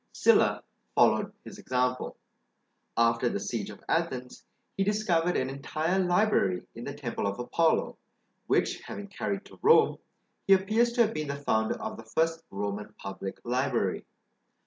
Sylla followed his example. Alter the siege of Athens, he discovered an entire library in the temple of Apollo, which having carried to Rome, he appears to have been the founder of the first Roman public library.